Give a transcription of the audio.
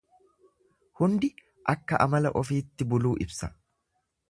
Hundi akka amala ofiitti buluu ibsa.